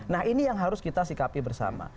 nah ini yang harus kita sikapi bersama